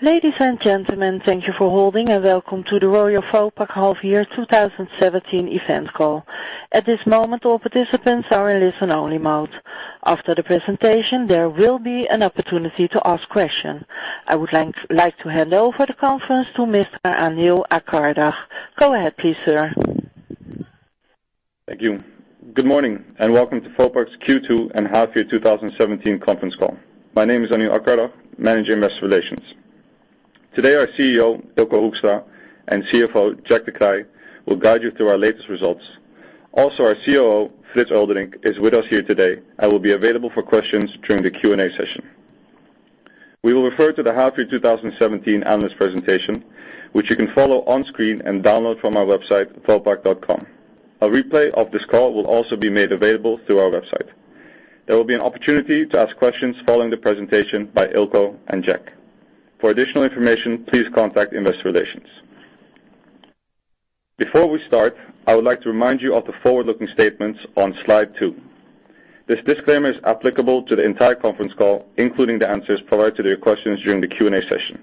Ladies and gentlemen, thank you for holding and welcome to the Royal Vopak Half Year 2017 event call. At this moment, all participants are in listen-only mode. After the presentation, there will be an opportunity to ask questions. I would like to hand over the conference to Mr. Anil Acardag. Go ahead please, sir. Thank you. Good morning and welcome to Vopak's Q2 and Half Year 2017 conference call. My name is Anil Acardag, Manager Investor Relations. Today, our CEO, Eelco Hoekstra, and CFO, Jack de Kreij, will guide you through our latest results. Also, our COO, Frits Eulderink, is with us here today and will be available for questions during the Q&A session. We will refer to the Half Year 2017 analyst presentation, which you can follow on screen and download from our website, vopak.com. A replay of this call will also be made available through our website. There will be an opportunity to ask questions following the presentation by Eelco and Jack. For additional information, please contact investor relations. Before we start, I would like to remind you of the forward-looking statements on slide two. This disclaimer is applicable to the entire conference call, including the answers provided to your questions during the Q&A session.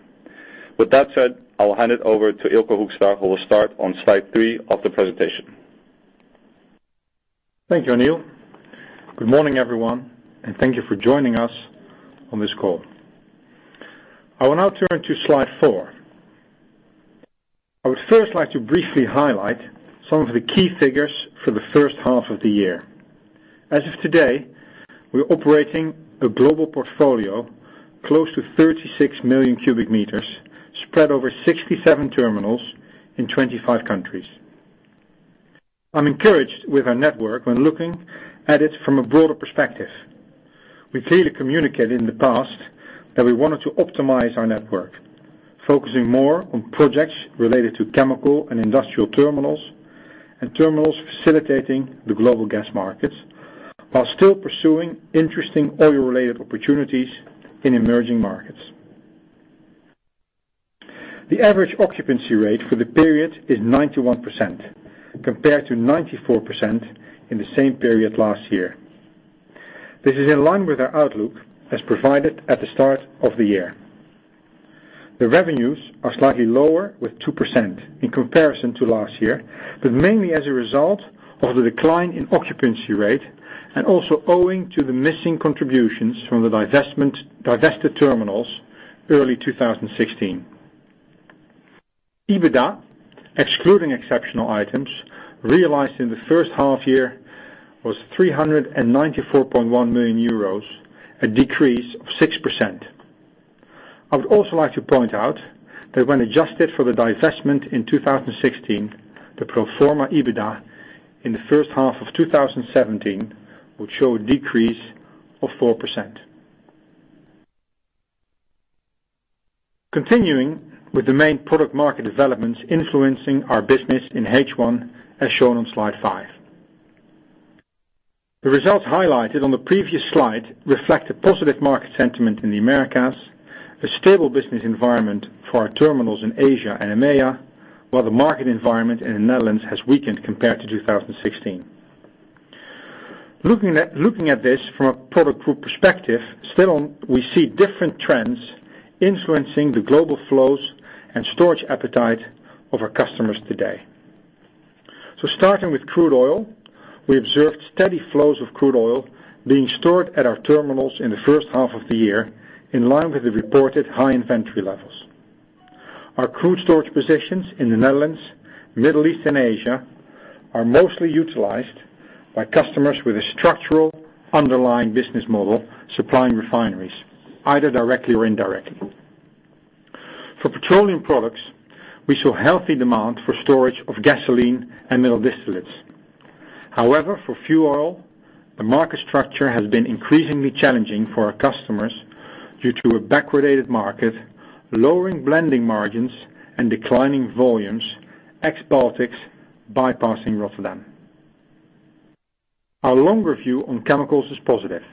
With that said, I will hand it over to Eelco Hoekstra, who will start on slide three of the presentation. Thank you, Anil. Good morning, everyone, and thank you for joining us on this call. I will now turn to slide four. I would first like to briefly highlight some of the key figures for the first half of the year. As of today, we're operating a global portfolio close to 36 million cubic meters, spread over 67 terminals in 25 countries. I'm encouraged with our network when looking at it from a broader perspective. We clearly communicated in the past that we wanted to optimize our network, focusing more on projects related to chemical and industrial terminals, and terminals facilitating the global gas markets, while still pursuing interesting oil-related opportunities in emerging markets. The average occupancy rate for the period is 91%, compared to 94% in the same period last year. This is in line with our outlook as provided at the start of the year. The revenues are slightly lower with 2% in comparison to last year, but mainly as a result of the decline in occupancy rate and also owing to the missing contributions from the divested terminals early 2016. EBITDA, excluding exceptional items, realized in the first half year was 394.1 million euros, a decrease of 6%. I would also like to point out that when adjusted for the divestment in 2016, the pro forma EBITDA in the first half of 2017 would show a decrease of 4%. Continuing with the main product market developments influencing our business in H1 as shown on slide five. The results highlighted on the previous slide reflect a positive market sentiment in the Americas, a stable business environment for our terminals in Asia and EMEA, while the market environment in the Netherlands has weakened compared to 2016. Looking at this from a product group perspective, still we see different trends influencing the global flows and storage appetite of our customers today. Starting with crude oil, we observed steady flows of crude oil being stored at our terminals in the first half of the year, in line with the reported high inventory levels. Our crude storage positions in the Netherlands, Middle East, and Asia are mostly utilized by customers with a structural underlying business model supplying refineries, either directly or indirectly. For petroleum products, we saw healthy demand for storage of gasoline and middle distillates. However, for fuel oil, the market structure has been increasingly challenging for our customers due to a backwardated market, lowering blending margins and declining volumes, ex Baltics bypassing Rotterdam. Our longer view on chemicals is positive.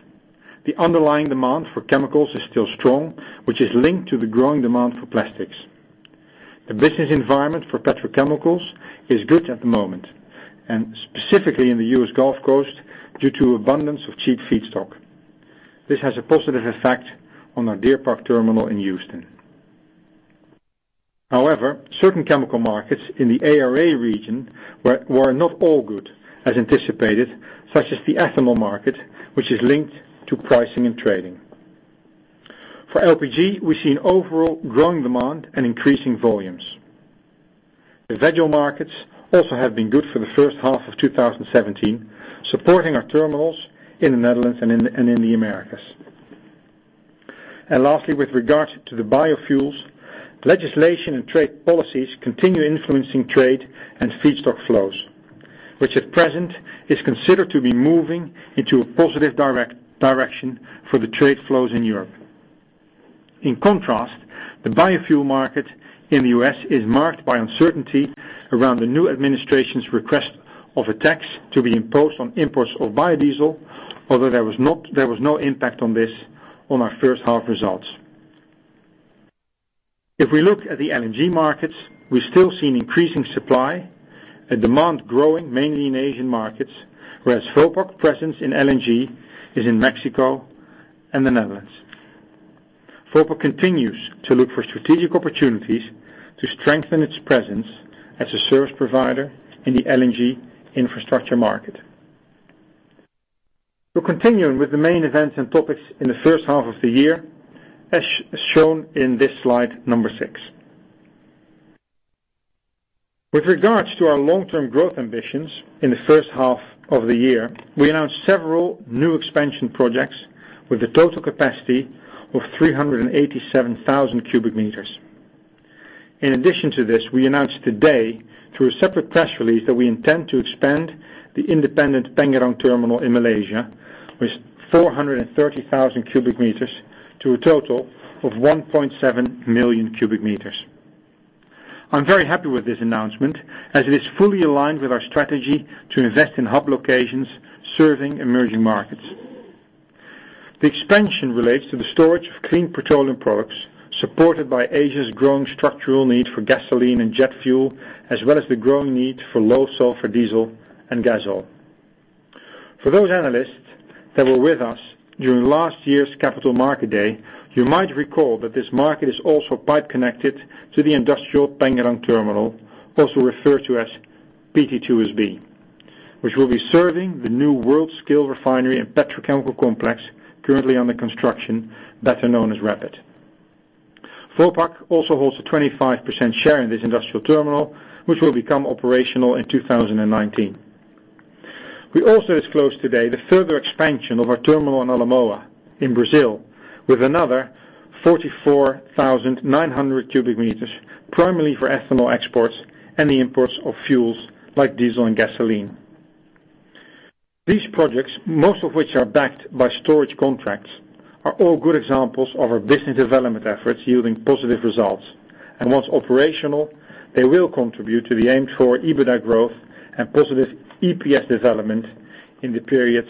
The underlying demand for chemicals is still strong, which is linked to the growing demand for plastics. The business environment for petrochemicals is good at the moment, and specifically in the U.S. Gulf Coast, due to abundance of cheap feedstock. This has a positive effect on our Deer Park terminal in Houston. However, certain chemical markets in the ARA region were not all good as anticipated, such as the ethanol market, which is linked to pricing and trading. For LPG, we're seeing overall growing demand and increasing volumes. The veg oil markets also have been good for the first half of 2017, supporting our terminals in the Netherlands and in the Americas. Lastly, with regards to the biofuels, legislation and trade policies continue influencing trade and feedstock flows, which at present is considered to be moving into a positive direction for the trade flows in Europe. In contrast, the biofuel market in the U.S. is marked by uncertainty around the new administration's request of a tax to be imposed on imports of biodiesel, although there was no impact on this on our first half results. If we look at the LNG markets, we still see an increasing supply and demand growing mainly in Asian markets, whereas Vopak presence in LNG is in Mexico and the Netherlands. Vopak continues to look for strategic opportunities to strengthen its presence as a service provider in the LNG infrastructure market. We're continuing with the main events and topics in the first half of the year, as shown in this slide number six. With regards to our long-term growth ambitions in the first half of the year, we announced several new expansion projects with a total capacity of 387,000 cubic meters. In addition to this, we announced today through a separate press release that we intend to expand the independent Pengerang Terminal in Malaysia with 430,000 cubic meters to a total of 1.7 million cubic meters. I am very happy with this announcement, as it is fully aligned with our strategy to invest in hub locations serving emerging markets. The expansion relates to the storage of clean petroleum products, supported by Asia's growing structural need for gasoline and jet fuel, as well as the growing need for low sulfur diesel and gasoil. For those analysts that were with us during last year's Capital Markets Day, you might recall that this market is also pipe connected to the industrial Pengerang Terminal, also referred to as PT2SB, which will be serving the new world-scale refinery and petrochemical complex currently under construction, better known as RAPID. Vopak also holds a 25% share in this industrial terminal, which will become operational in 2019. We also disclose today the further expansion of our terminal in Alemoa, in Brazil, with another 44,900 cubic meters, primarily for ethanol exports and the imports of fuels like diesel and gasoline. These projects, most of which are backed by storage contracts, are all good examples of our business development efforts yielding positive results. Once operational, they will contribute to the aimed for EBITDA growth and positive EPS development in the period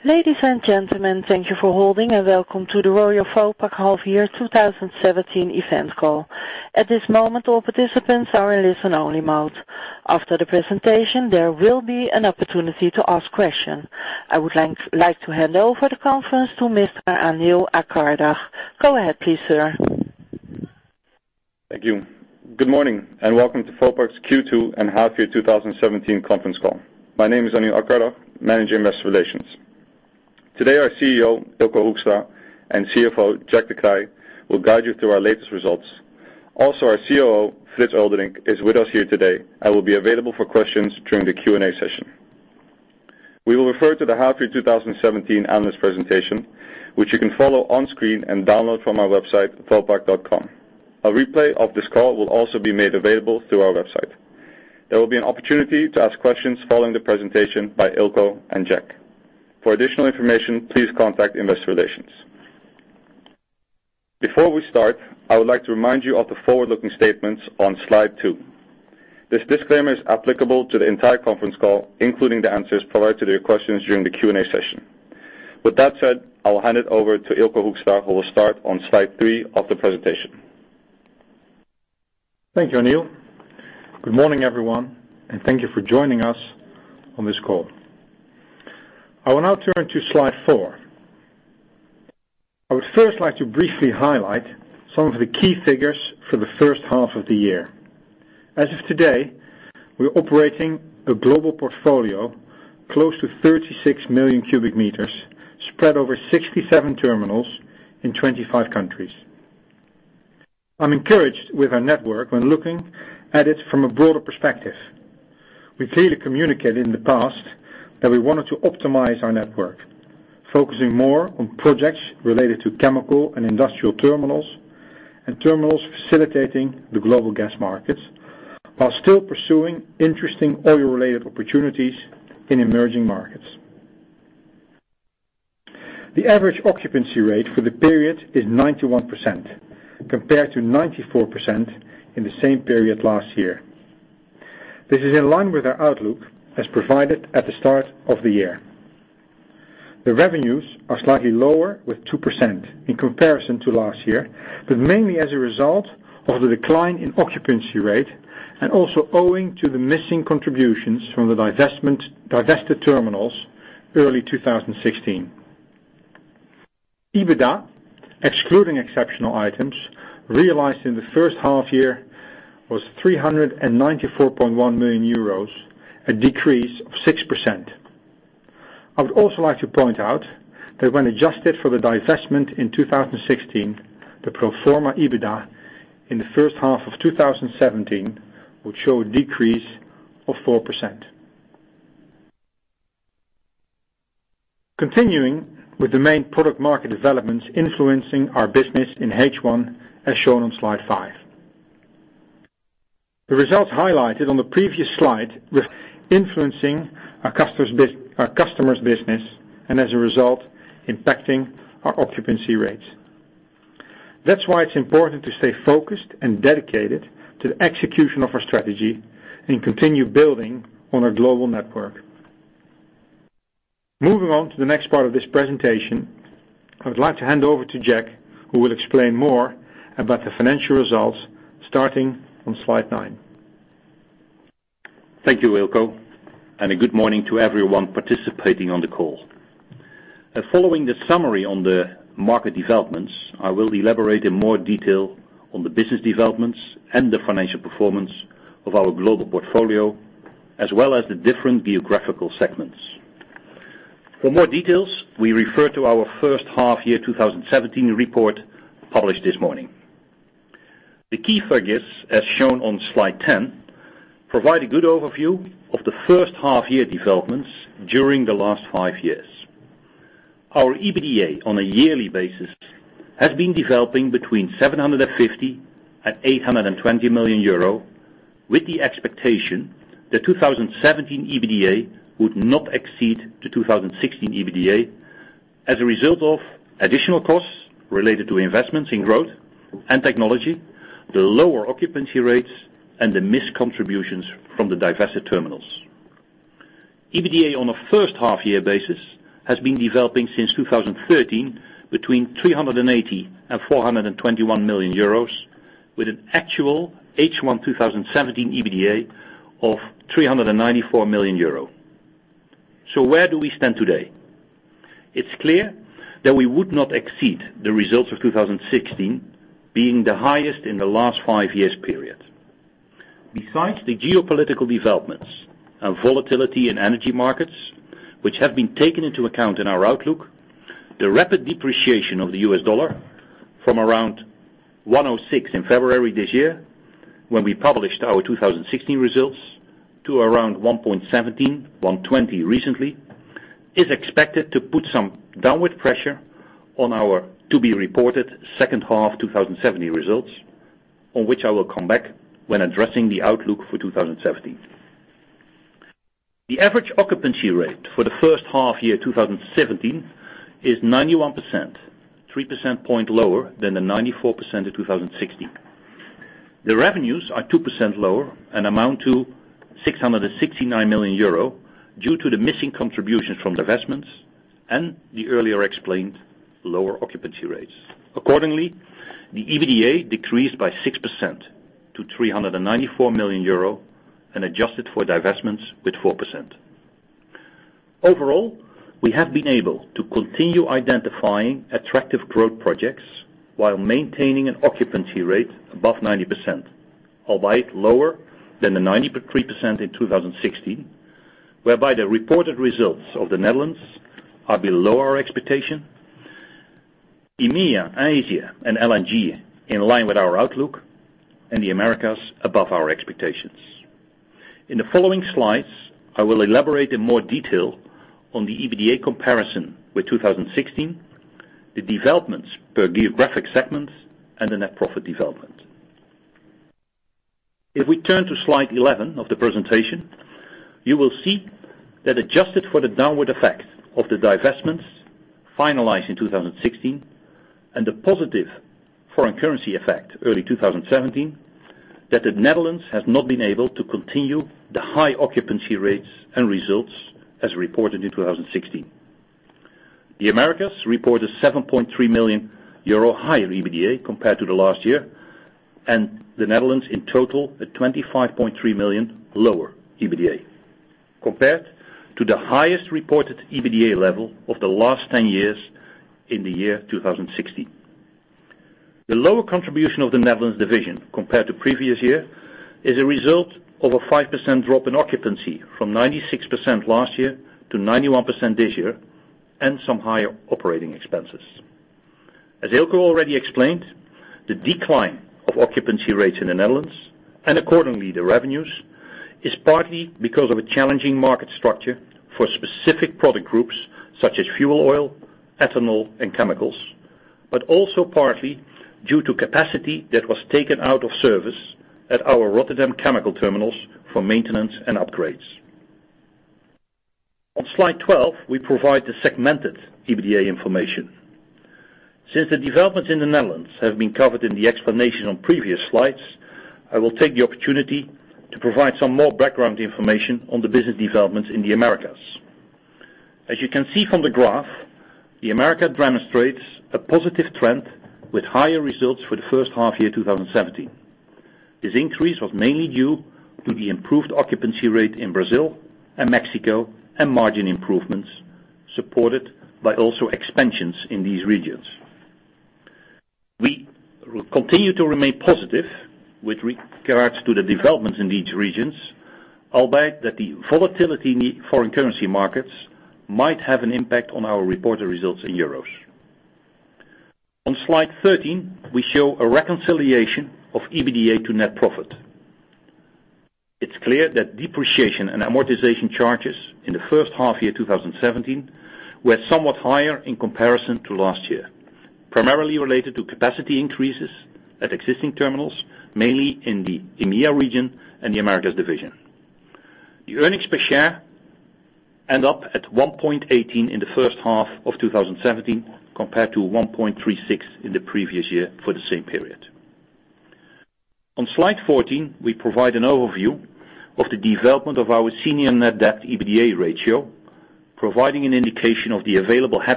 2017 to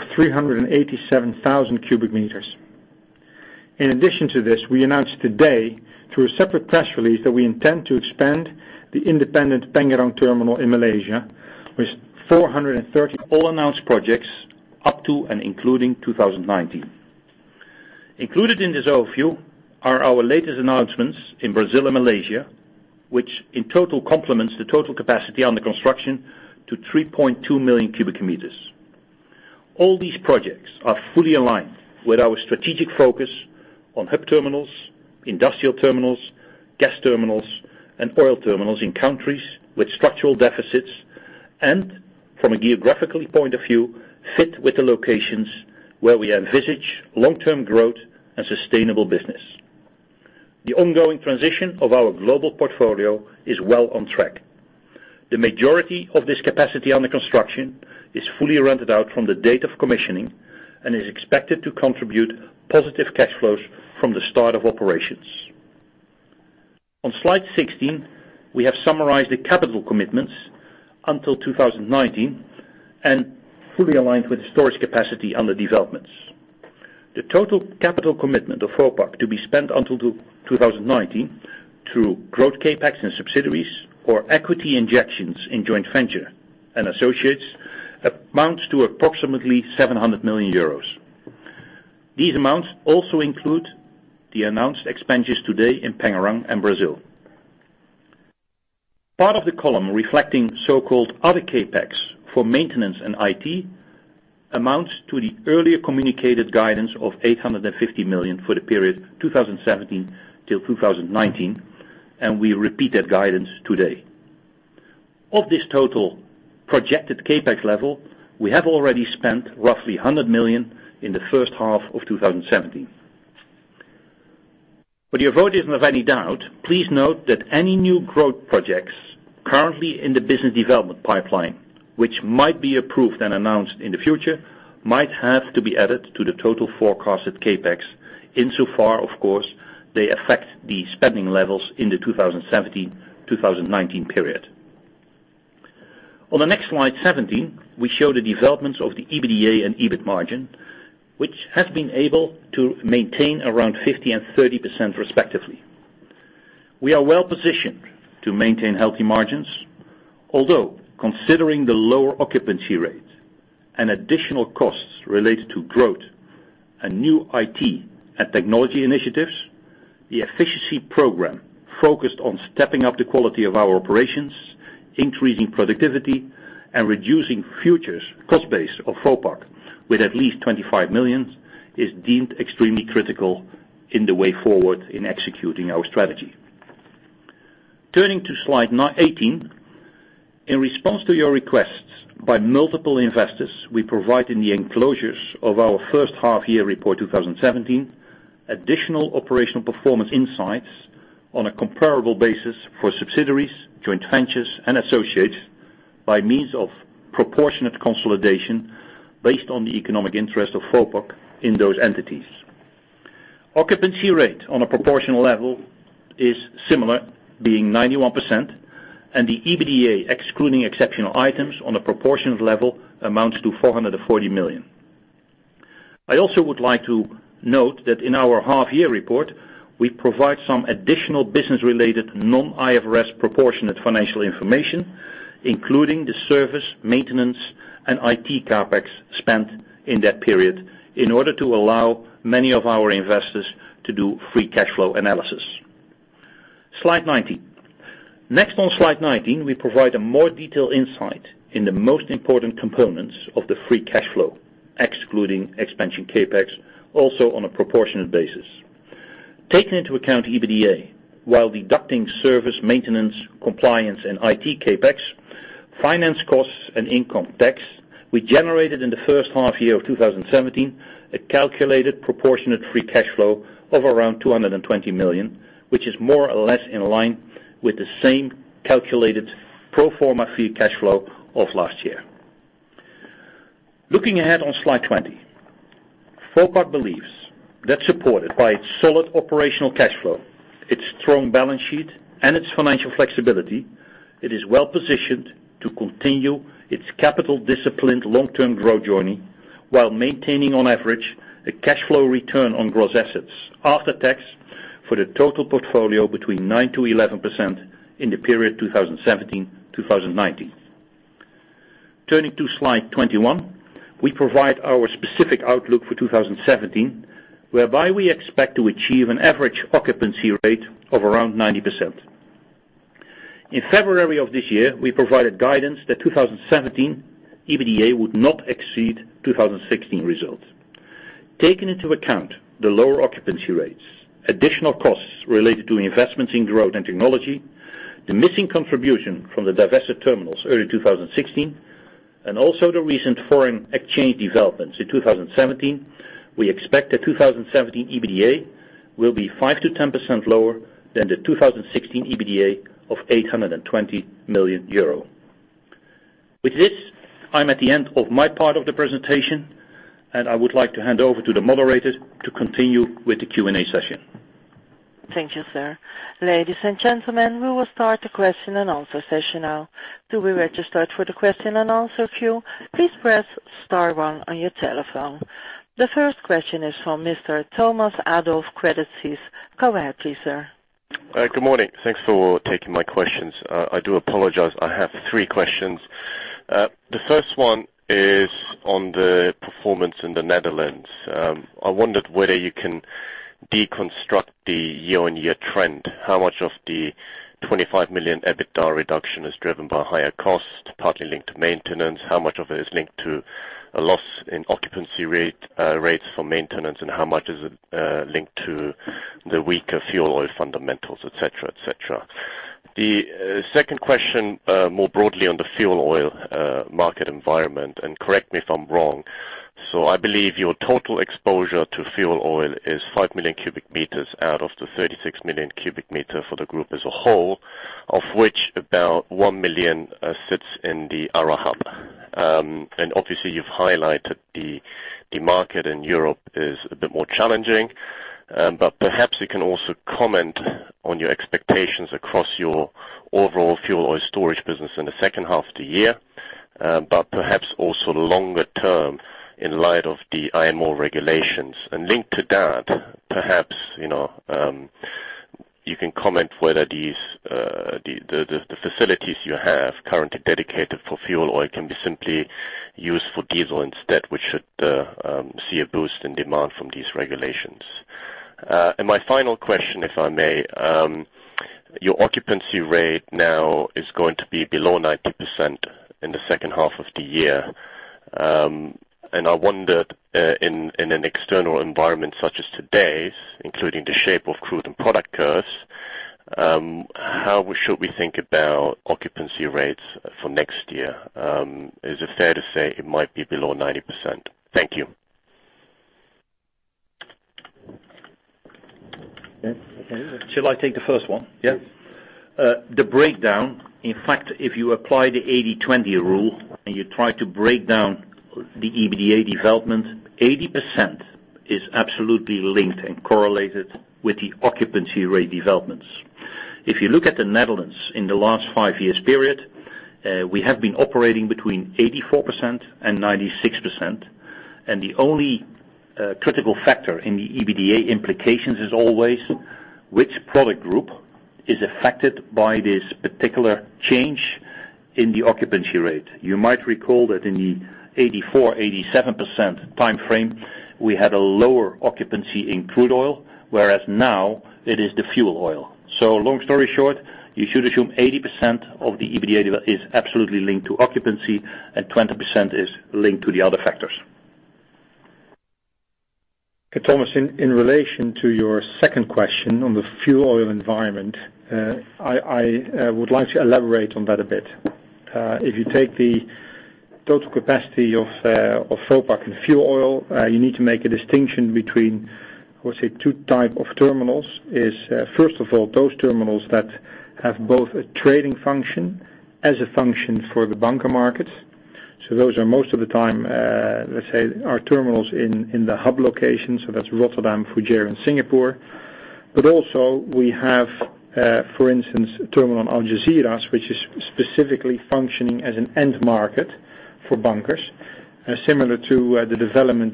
2019.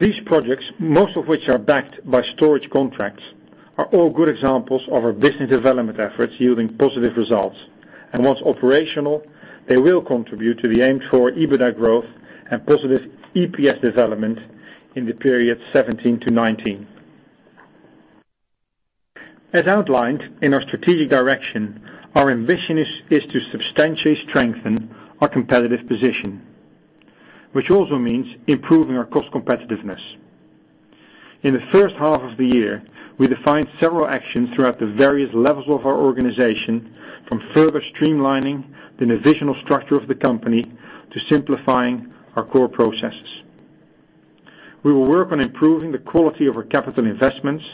As outlined in our strategic direction, our ambition is to substantially strengthen our competitive position, which also means improving our cost competitiveness. In the first half of the year, we defined several actions throughout the various levels of our organization, from further streamlining the divisional structure of the company to simplifying our core processes. We will work on improving the quality of our capital investments,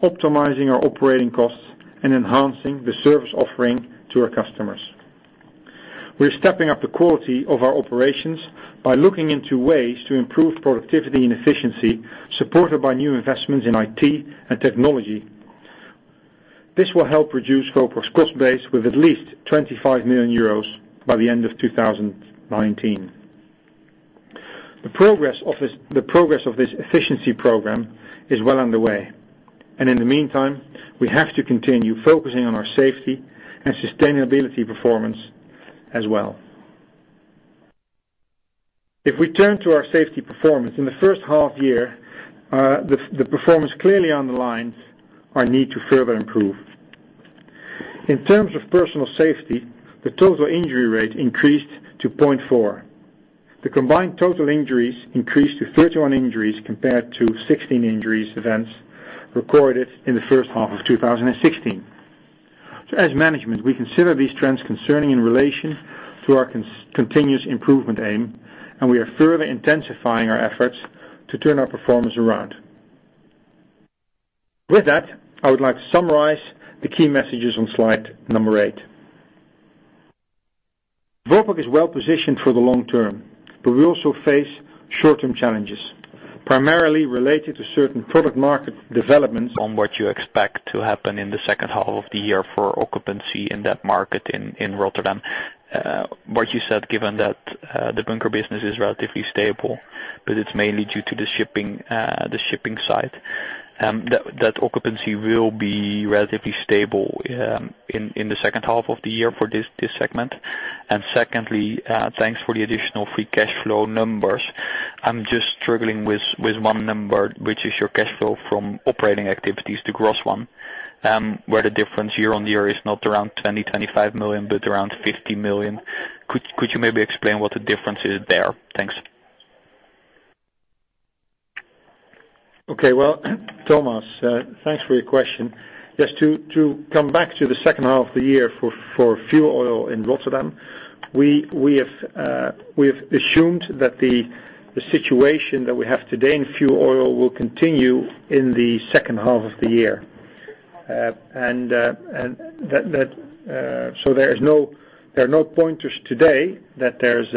optimizing our operating costs, and enhancing the service offering to our customers. We are stepping up the quality of our operations by looking into ways to improve productivity and efficiency, supported by new investments in IT and technology. This will help reduce Vopak's cost base with at least 25 million euros by the end of 2019. The progress of this efficiency program is well underway, and in the meantime, we have to continue focusing on our safety and sustainability performance as well. If we turn to our safety performance, in the first half year, the performance clearly underlined our need to further improve. In terms of personal safety, the total injury rate increased to 0.4. The combined total injuries increased to 31 injuries compared to 16 injuries events recorded in the first half of 2016. primarily related to certain product market developments- On what you expect to happen in the second half of the year for occupancy in that market in Rotterdam. What you said, given that the bunker business is relatively stable, it is mainly due to the shipping side. That occupancy will be relatively stable in the second half of the year for this segment. Secondly, thanks for the additional free cash flow numbers. I am just struggling with one number, which is your cash flow from operating activities, the gross one, where the difference year-on-year is not around 20 million, 25 million, but around 50 million. Could you maybe explain what the difference is there? Thanks. Okay. Well, Thomas, thanks for your question. Just to come back to the second half of the year for fuel oil in Rotterdam. We have assumed that the situation that we have today in fuel oil will continue in the second half of the year. There are no pointers today that there's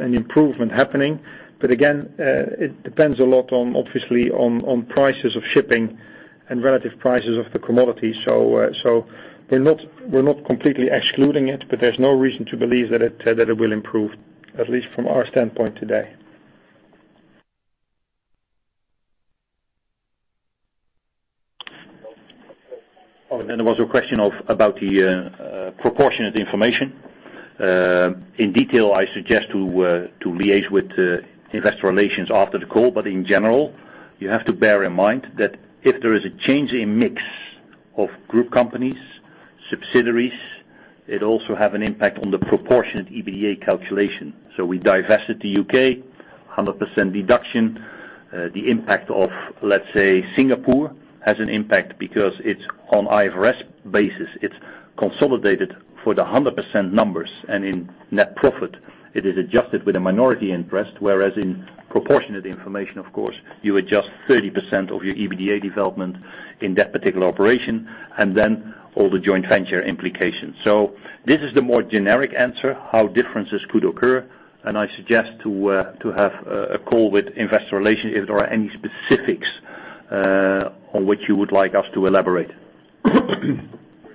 an improvement happening. Again, it depends a lot, obviously, on prices of shipping and relative prices of the commodity. We're not completely excluding it, but there's no reason to believe that it will improve, at least from our standpoint today. There was a question about the proportionate information. In detail, I suggest to liaise with investor relations after the call. In general, you have to bear in mind that if there is a change in mix of group companies, subsidiaries, it also have an impact on the proportionate EBITDA calculation. We divested the U.K., 100% deduction. The impact of, let's say, Singapore, has an impact because it's on IFRS basis. It's consolidated for the 100% numbers, and in net profit, it is adjusted with a minority interest, whereas in proportionate information, of course, you adjust 30% of your EBITDA development in that particular operation, and then all the joint venture implications. This is the more generic answer, how differences could occur. I suggest to have a call with investor relations if there are any specifics on which you would like us to elaborate.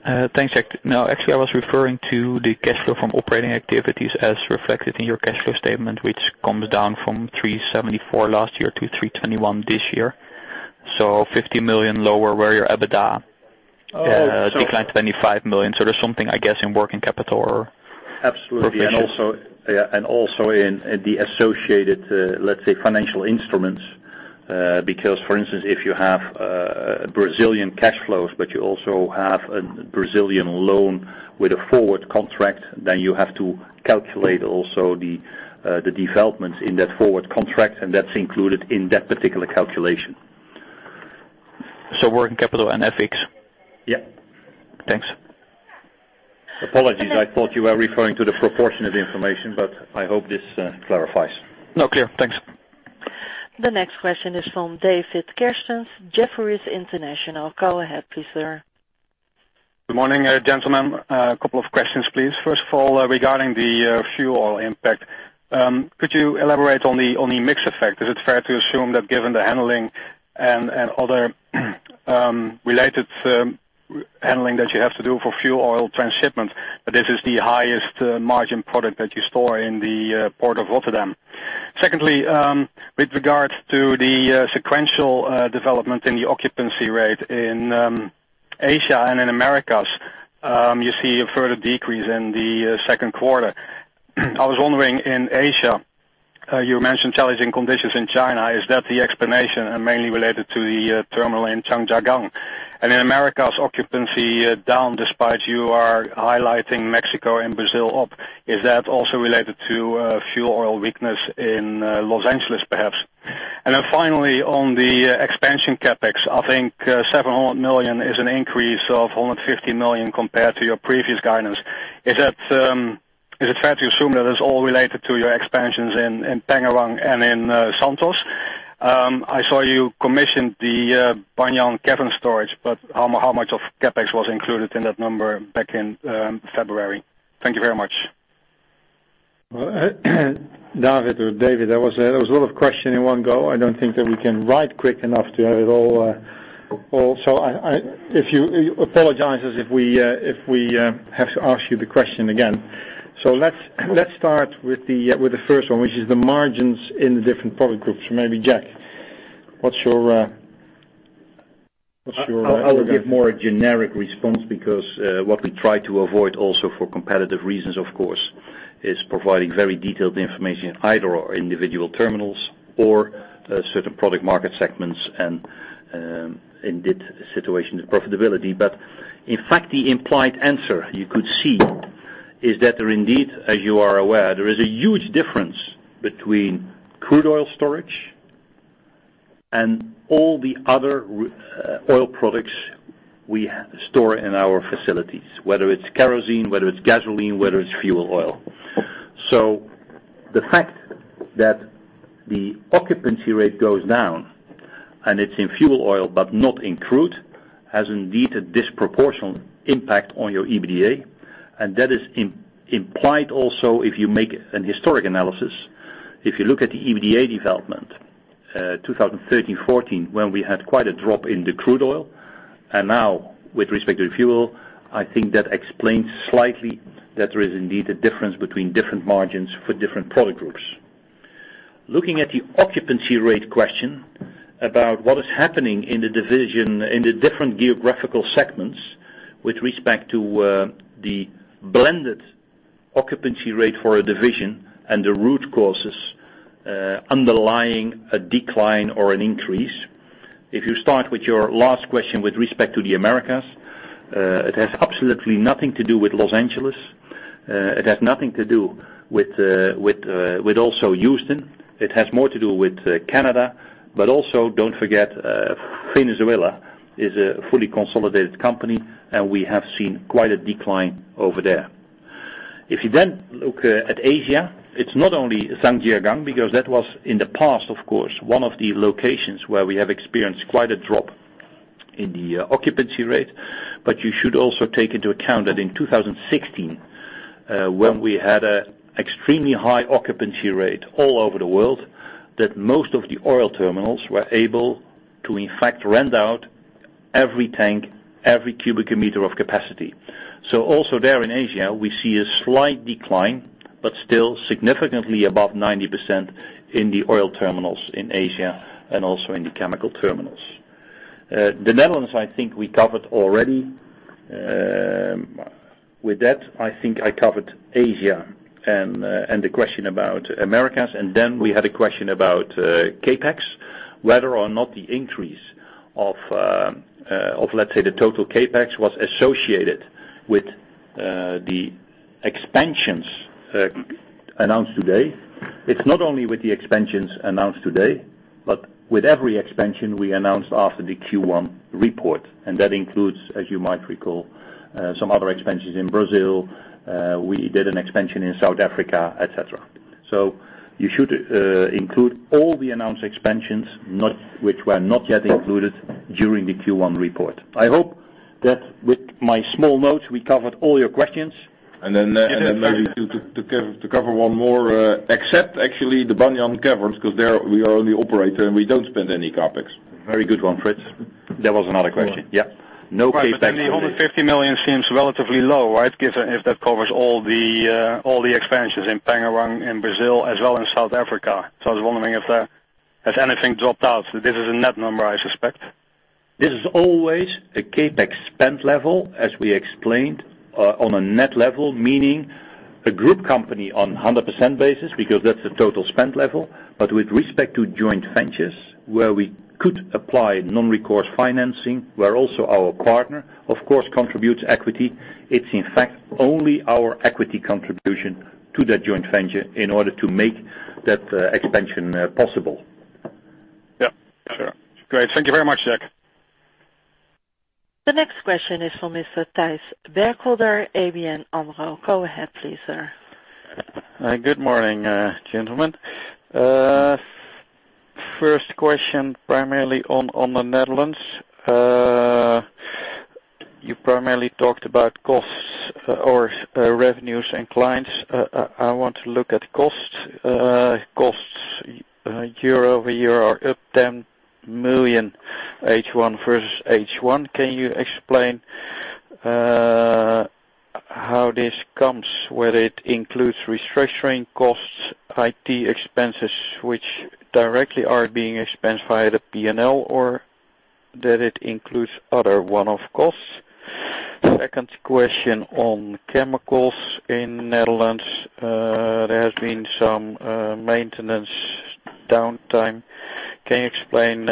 Thanks. No, actually, I was referring to the cash flow from operating activities as reflected in your cash flow statement, which comes down from 374 last year to 321 this year. 50 million lower where your EBITDA declined 25 million. There's something, I guess, in working capital or- Absolutely. Also in the associated, let's say, financial instruments. For instance, if you have Brazilian cash flows, but you also have a Brazilian loan with a forward contract, then you have to calculate also the developments in that forward contract, and that's included in that particular calculation. Working capital and FX? Yeah. Thanks. Apologies. I thought you were referring to the proportionate information, but I hope this clarifies. No, clear. Thanks. The next question is from David Kerstens, Jefferies International. Go ahead, please, sir. Good morning, gentlemen. A couple of questions, please. First of all, regarding the fuel oil impact, could you elaborate on the mix effect? Is it fair to assume that given the handling and other related handling that you have to do for fuel oil transshipment, that this is the highest margin product that you store in the Port of Rotterdam? Secondly, with regards to the sequential development in the occupancy rate in Asia and in Americas, you see a further decrease in the second quarter. I was wondering, in Asia, you mentioned challenging conditions in China. Is that the explanation and mainly related to the terminal in Zhangjiagang? In Americas, occupancy is down despite you are highlighting Mexico and Brazil up. Is that also related to fuel oil weakness in Los Angeles, perhaps? Finally, on the expansion CapEx, I think 700 million is an increase of 150 million compared to your previous guidance. Is it fair to assume that it's all related to your expansions in Pengerang and in Santos? I saw you commissioned the Banyan Caverns storage, how much of CapEx was included in that number back in February? Thank you very much. David, that was a lot of question in one go. I don't think that we can write quick enough to have it all. Apologize if we have to ask you the question again. Let's start with the first one, which is the margins in the different product groups. Maybe Jack, what's your- I will give more a generic response because what we try to avoid also for competitive reasons, of course, is providing very detailed information, either individual terminals or certain product market segments and indeed situation and profitability. In fact, the implied answer you could see and that is implied also if you make an historic analysis. If you look at the EBITDA development, 2013, 2014, when we had quite a drop in the crude oil, and now with respect to the fuel, I think that explains slightly that there is indeed a difference between different margins for different product groups. Looking at the occupancy rate question about what is happening in the division, in the different geographical segments with respect to the blended occupancy rate for a division and the root causes underlying a decline or an increase. If you start with your last question with respect to the Americas, it has absolutely nothing to do with Los Angeles. It has nothing to do with also Houston. It has more to do with Canada, but also don't forget, Venezuela is a fully consolidated company, and we have seen quite a decline over there. Look at Asia, it's not only Zhangjiagang, because that was in the past, of course, one of the locations where we have experienced quite a drop in the occupancy rate. You should also take into account that in 2016, when we had a extremely high occupancy rate all over the world, that most of the oil terminals were able to in fact rent out every tank, every cubic meter of capacity. Also there in Asia, we see a slight decline, but still significantly above 90% in the oil terminals in Asia and also in the chemical terminals. The Netherlands, I think we covered already. With that, I think I covered Asia and the question about Americas. We had a question about CapEx, whether or not the increase of, let's say, the total CapEx was associated with the expansions announced today. It's not only with the expansions announced today, but with every expansion we announced after the Q1 report, and that includes, as you might recall, some other expansions in Brazil. We did an expansion in South Africa, et cetera. You should include all the announced expansions, which were not yet included during the Q1 report. I hope that with my small notes, we covered all your questions. maybe to cover one more, except actually the Banyan Caverns, because there we are only operator and we don't spend any CapEx. Very good one, Frits. That was another question. Yeah. No CapEx. Right. The 150 million seems relatively low, right? If that covers all the expansions in Pengerang, in Brazil, as well in South Africa. I was wondering if anything dropped out. This is a net number, I suspect. This is always a CapEx spend level, as we explained, on a net level, meaning a group company on 100% basis because that's the total spend level. With respect to joint ventures where we could apply non-recourse financing, where also our partner of course contributes equity. It's in fact only our equity contribution to that joint venture in order to make that expansion possible. Yeah, sure. Great. Thank you very much, Jack. The next question is for Mr. Thijs Berkelder, ABN AMRO. Go ahead please, sir. Good morning, gentlemen. First question, primarily on the Netherlands. You primarily talked about costs or revenues and clients. I want to look at costs. Costs year-over-year are up 10 million H1 versus H1. Can you explain how this comes, whether it includes restructuring costs, IT expenses which directly are being expensed via the P&L, or that it includes other one-off costs? Second question on chemicals in the Netherlands. There has been some maintenance downtime. Can you explain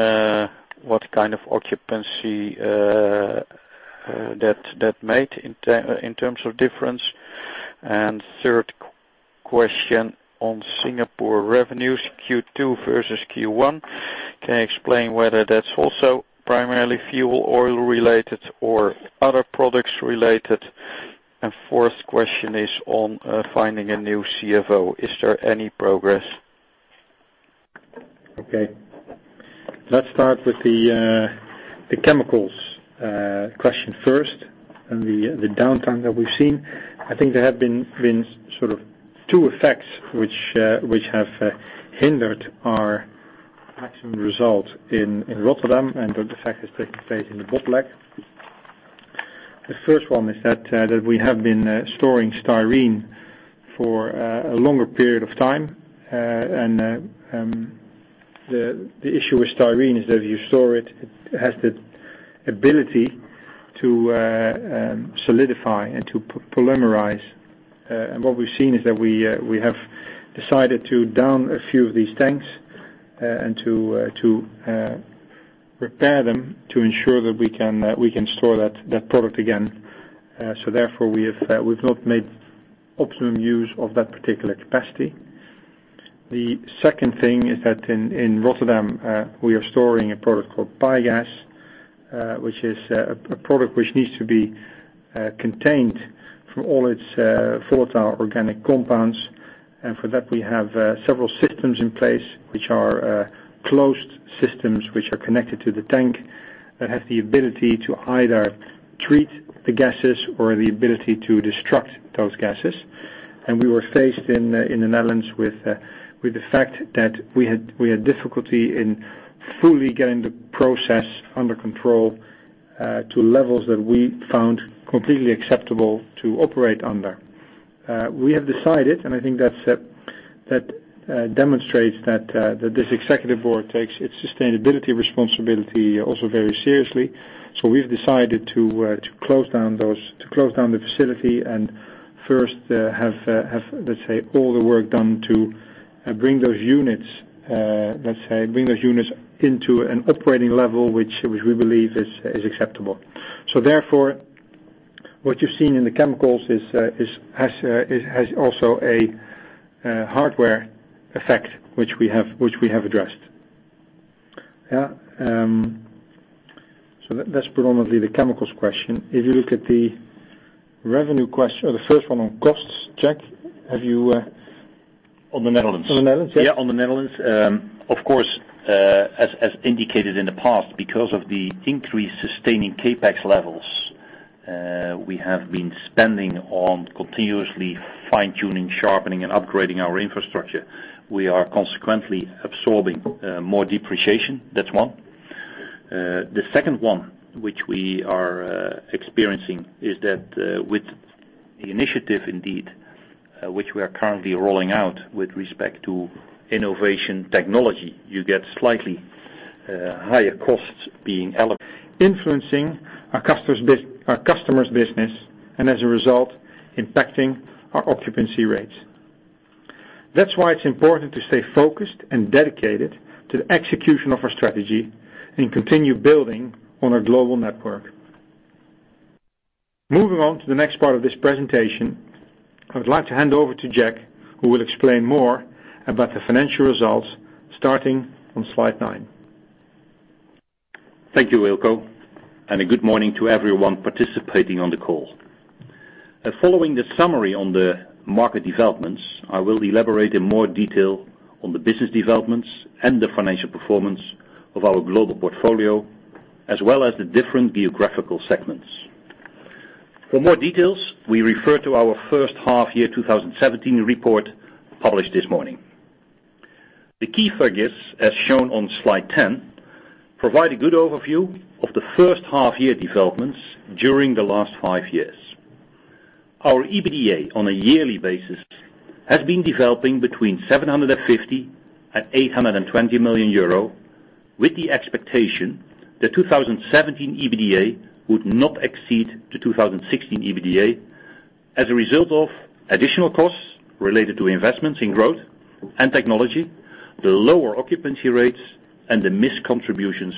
what kind of occupancy that made in terms of difference? Third question on Singapore revenues, Q2 versus Q1. Can you explain whether that's also primarily fuel oil related or other products related? Fourth question is on finding a new CFO. Is there any progress? Okay. Let's start with the chemicals question first and the downtime that we've seen. I think there have been sort of two effects which have hindered our maximum result in Rotterdam, the effect has taken place in the Botlek. The first one is that we have been storing styrene for a longer period of time. The issue with styrene is that if you store it has the ability to solidify and to polymerize. What we've seen is that we have decided to down a few of these tanks and to repair them to ensure that we can store that product again. Therefore we've not made optimum use of that particular capacity. The second thing is that in Rotterdam, we are storing a product called pygas, which is a product which needs to be contained for all its volatile organic compounds. For that, we have several systems in place, which are closed systems, which are connected to the tank, that have the ability to either treat the gases or the ability to destruct those gases. We were faced in the Netherlands with the fact that we had difficulty in fully getting the process under control to levels that we found completely acceptable to operate under. We have decided, and I think that demonstrates that this Executive Board takes its sustainability responsibility also very seriously. We've decided to close down the facility and first have, let's say, all the work done to bring those units into an operating level, which we believe is acceptable. Therefore, what you've seen in the chemicals it has also a hardware effect, which we have addressed. Yeah. That's predominantly the chemicals question. If you look at the revenue question or the first one on costs, Jack, have you On the Netherlands. On the Netherlands, yeah. Yeah, on the Netherlands. Of course, as indicated in the past, because of the increased sustaining CapEx levels. We have been spending on continuously fine-tuning, sharpening, and upgrading our infrastructure. We are consequently absorbing more depreciation. That's one. The second one which we are experiencing is that with the initiative indeed, which we are currently rolling out with respect to innovation technology, you get slightly higher costs being allocated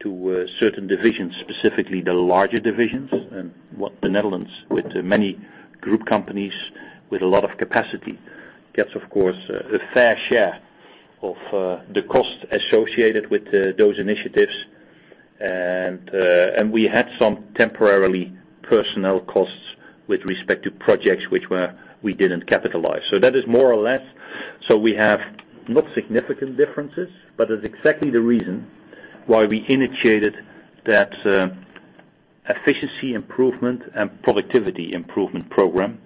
to certain divisions, specifically the larger divisions. The Netherlands, with many group companies with a lot of capacity, gets, of course, a fair share of the cost associated with those initiatives. We had some temporarily personnel costs with respect to projects which we didn't capitalize. That is more or less. We have not significant differences, but it's exactly the reason why we initiated that efficiency improvement and productivity improvement program.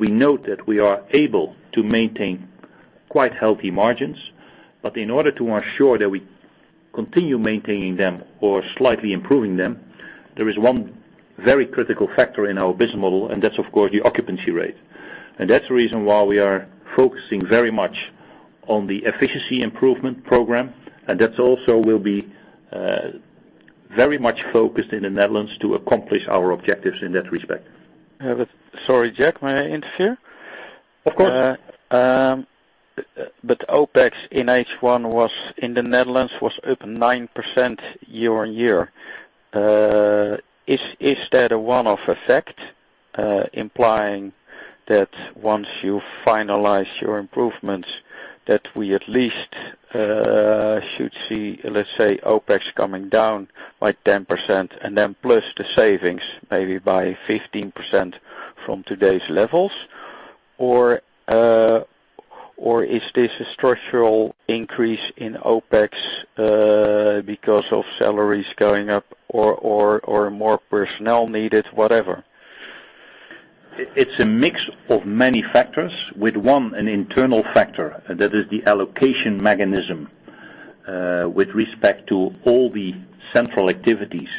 We note that we are able to maintain quite healthy margins, but in order to ensure that we continue maintaining them or slightly improving them, there is one very critical factor in our business model, and that's, of course, the occupancy rate. That's the reason why we are focusing very much on the efficiency improvement program, and that also will be very much focused in the Netherlands to accomplish our objectives in that respect. Sorry, Jack, may I interfere? Of course. OPEX in H1 in the Netherlands was up 9% year-on-year. Is that a one-off effect, implying that once you finalize your improvements, that we at least should see, let's say, OPEX coming down by 10% and then plus the savings maybe by 15% from today's levels? Or is this a structural increase in OPEX because of salaries going up or more personnel needed, whatever? It's a mix of many factors with one, an internal factor, and that is the allocation mechanism with respect to all the central activities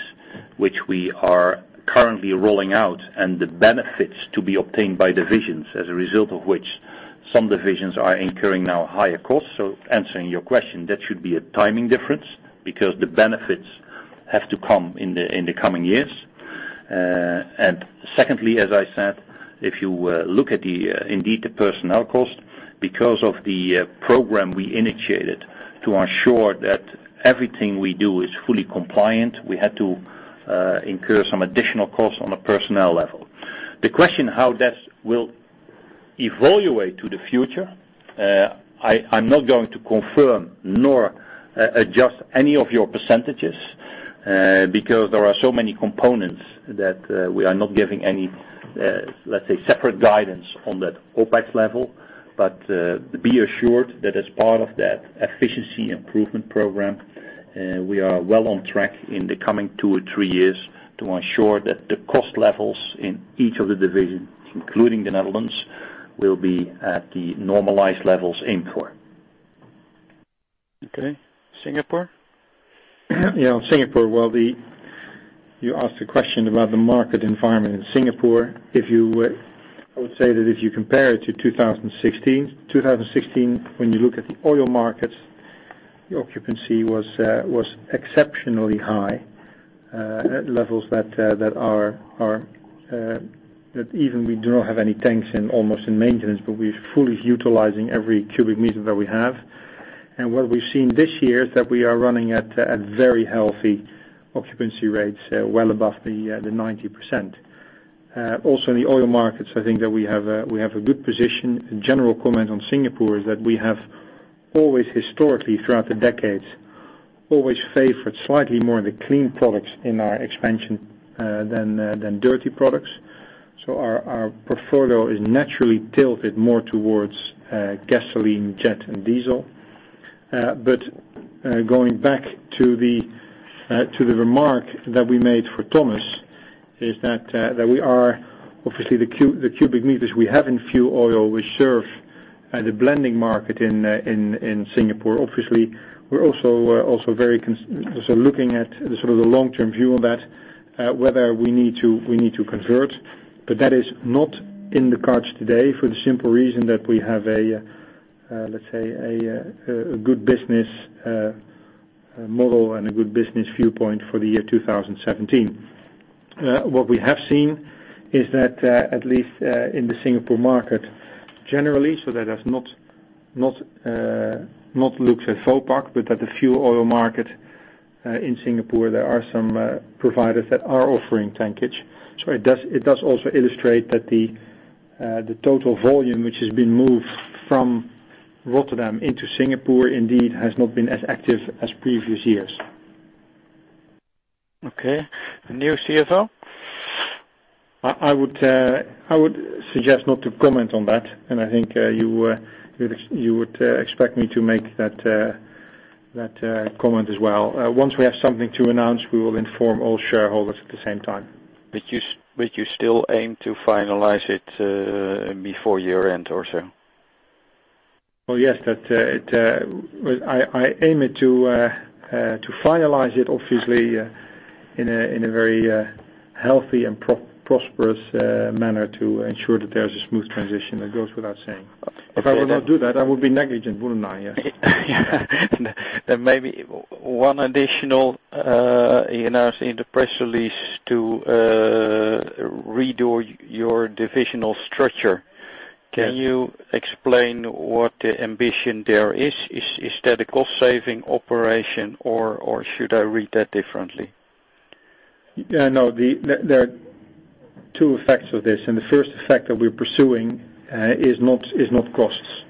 which we are currently rolling out and the benefits to be obtained by divisions, as a result of which some divisions are incurring now higher costs. Answering your question, that should be a timing difference because the benefits have to come in the coming years. Secondly, as I said, if you look at indeed the personnel cost, because of the program we initiated to ensure that everything we do is fully compliant, we had to incur some additional costs on a personnel level. The question how that will evaluate to the future, I'm not going to confirm nor adjust any of your percentages because there are so many components that we are not giving any, let's say, separate guidance on that OPEX level. Be assured that as part of that efficiency improvement program, we are well on track in the coming two or three years to ensure that the cost levels in each of the divisions, including the Netherlands, will be at the normalized levels aimed for. Okay. Singapore? Singapore. You asked a question about the market environment in Singapore. I would say that if you compare it to 2016, when you look at the oil markets, the occupancy was exceptionally high at levels that even we do not have any tanks almost in maintenance, but we're fully utilizing every cubic meter that we have. What we've seen this year is that we are running at very healthy occupancy rates, well above the 90%. Also in the oil markets, I think that we have a good position. A general comment on Singapore is that we have always historically, throughout the decades, always favored slightly more the clean products in our expansion than dirty products. Our portfolio is naturally tilted more towards gasoline, jet, and diesel. Going back to the remark that we made for Thomas is that we are obviously the cubic meters we have in fuel oil, we serve the blending market in Singapore. Obviously, we're also looking at the long-term view on that, whether we need to convert. That is not in the cards today for the simple reason that we have a, let's say, a good business model and a good business viewpoint for the year 2017. What we have seen is that at least in the Singapore market generally, that has not looked at Vopak, but at the fuel oil market in Singapore, there are some providers that are offering tankage. It does also illustrate that the total volume which has been moved from Rotterdam into Singapore indeed has not been as active as previous years. Okay. A new CFO? I would suggest not to comment on that, I think you would expect me to make that comment as well. Once we have something to announce, we will inform all shareholders at the same time. You still aim to finalize it before year-end or so? Well, yes. I aim it to finalize it, obviously, in a very healthy and prosperous manner to ensure that there's a smooth transition. That goes without saying. If I will not do that, I would be negligent, wouldn't I? Yes. Yeah. Maybe one additional. You announced in the press release to redo your divisional structure. Yes. Can you explain what the ambition there is? Is that a cost saving operation or should I read that differently? No. The first effect that we're pursuing is not costs.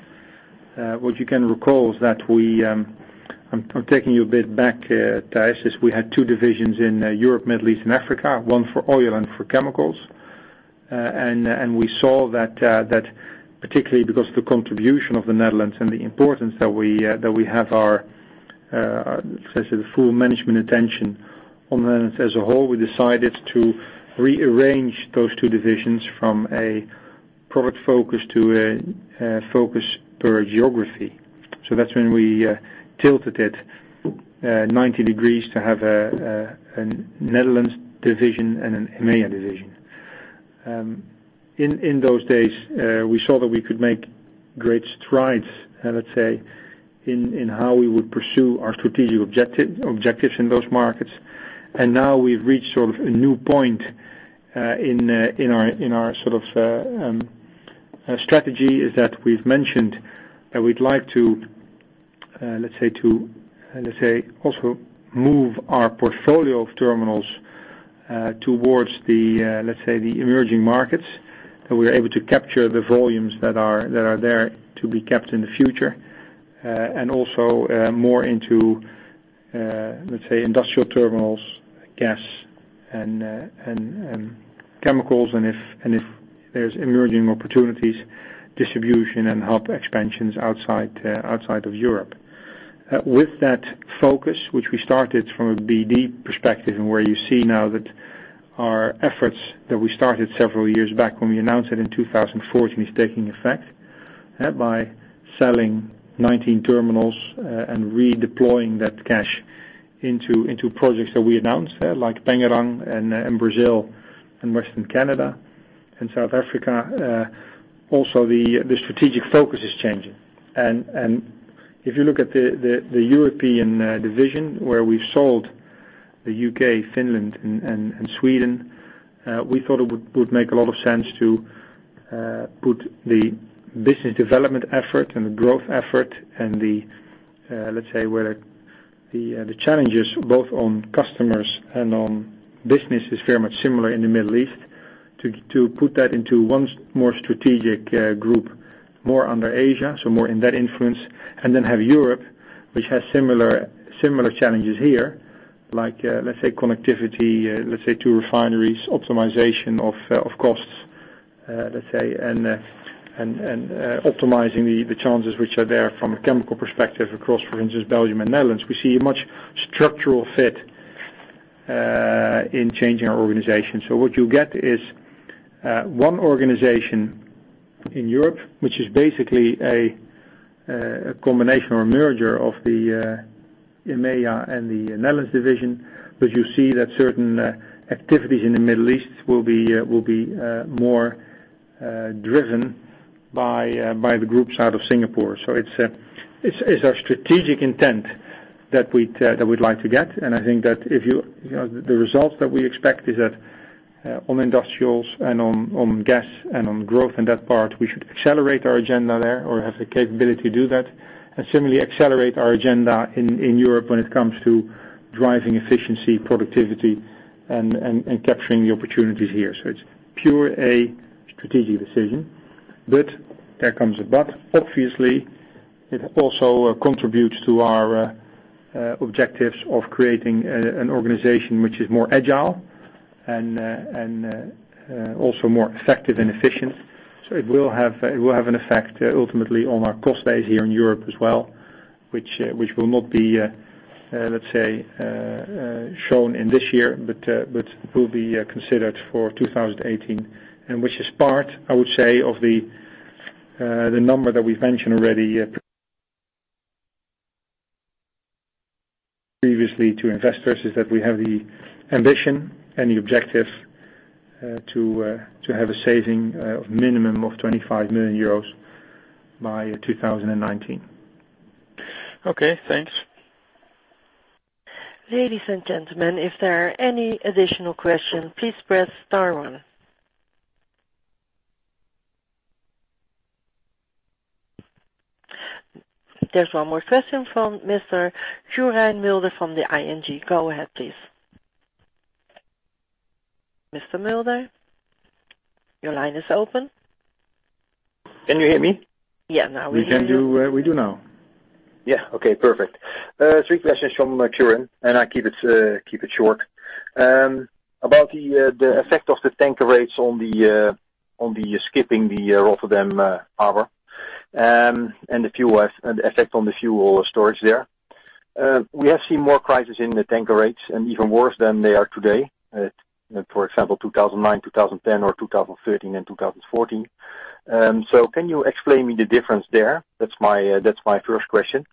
What you can recall is that, Thijs, we had two divisions in Europe, Middle East, and Africa, one for oil and for chemicals. We saw that, particularly because of the contribution of the Netherlands and the importance that we have our full management attention on the Netherlands as a whole, we decided to rearrange those two divisions from a product focus to a focus per geography. That's when we tilted it 90 degrees to have a Netherlands division and an EMEA division. In those days, we saw that we could make great strides, let's say, in how we would pursue our strategic objectives in those markets. Now we've reached sort of a new point in our strategy is that we've mentioned that we'd like to also move our portfolio of terminals, towards the emerging markets, that we're able to capture the volumes that are there to be kept in the future, and also, more into industrial terminals, gas, and chemicals, and if there's emerging opportunities, distribution and hub expansions outside of Europe. With that focus, which we started from a BD perspective, and where you see now that our efforts that we started several years back when we announced it in 2014, is taking effect, by selling 19 terminals, and redeploying that cash into projects that we announced, like Pengerang and in Brazil and Western Canada and South Africa. Also, the strategic focus is changing. If you look at the European division, where we've sold the U.K., Finland, and Sweden, we thought it would make a lot of sense to put the business development effort and the growth effort and the challenges both on customers and on business is very much similar in the Middle East, to put that into one more strategic group, more under Asia, so more in that influence, and then have Europe, which has similar challenges here, like connectivity, two refineries, optimization of costs, and optimizing the challenges which are there from a chemical perspective across, for instance, Belgium and the Netherlands. We see a much structural fit, in changing our organization. What you get is one organization in Europe, which is basically a combination or a merger of the EMEA and the Netherlands division. You see that certain activities in the Middle East will be more driven by the group side of Singapore. It's our strategic intent that we'd like to get, and I think that the results that we expect is that on industrials and on gas and on growth in that part, we should accelerate our agenda there or have the capability to do that. Similarly, accelerate our agenda in Europe when it comes to driving efficiency, productivity and capturing the opportunities here. It's purely a strategic decision, but there comes a but. Obviously, it also contributes to our objectives of creating an organization which is more agile and also more effective and efficient. It will have an effect ultimately on our cost base here in Europe as well, which will not be shown in this year, but will be considered for 2018, and which is part, I would say, of the number that we've mentioned already previously to investors, is that we have the ambition and the objective to have a saving of minimum of 25 million euros by 2019. Okay, thanks. Ladies and gentlemen, if there are any additional questions, please press star one. There's one more question from Mr. Quirijn Mulder from the ING. Go ahead, please. Mr. Mulder, your line is open. Can you hear me? Yeah. Now we can hear. We do now. Yeah. Okay, perfect. Three questions from Quirijn, and I keep it short. About the effect of the tanker rates on the skipping the Rotterdam Harbor, and the effect on the fuel storage there. We have seen more crisis in the tanker rates and even worse than they are today. For example, 2009, 2010 or 2013 and 2014. Can you explain me the difference there? That's my first question.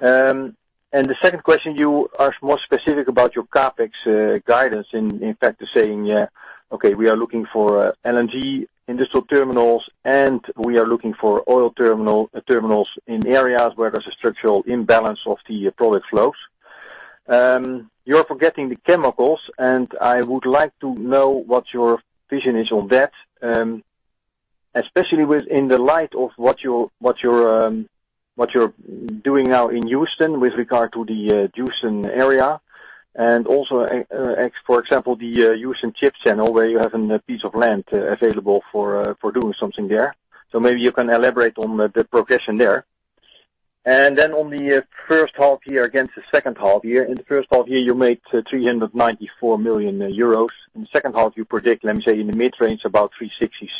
The second question, you are more specific about your CapEx guidance. In fact, saying, okay, we are looking for LNG industrial terminals, and we are looking for oil terminals in areas where there's a structural imbalance of the product flows. You're forgetting the chemicals. I would like to know what your vision is on that, especially within the light of what you're doing now in Houston with regard to the Houston area. Also, for example, the Houston Ship Channel, where you have a piece of land available for doing something there. Maybe you can elaborate on the progression there. Then on the first half year against the second half year. In the first half year, you made 394 million euros. In the second half, you predict, let me say, in the mid-range, about 366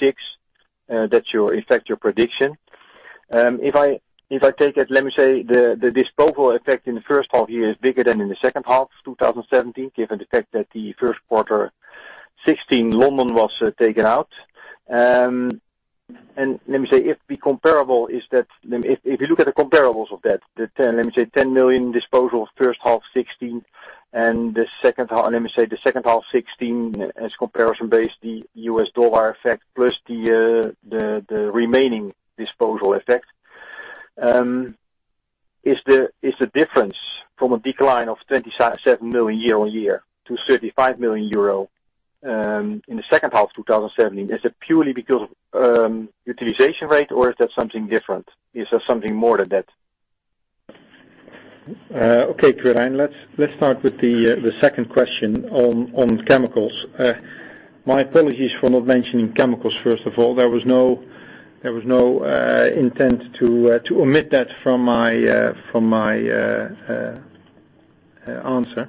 million. That's, in fact, your prediction. If I take it, let me say, the disposal effect in the first half year is bigger than in the second half 2017, given the fact that the first quarter 2016, London was taken out. Let me say, if you look at the comparables of that, let me say 10 million disposal first half 2016 and let me say the second half 2016 as comparison base, the U.S. dollar effect plus the remaining disposal effect. Is the difference from a decline of 27 million year-on-year to 35 million euro in the second half of 2017, is it purely because of utilization rate or is that something different? Is there something more than that? Okay, Quirijn, let's start with the second question on chemicals. My apologies for not mentioning chemicals first of all. There was no intent to omit that from my answer.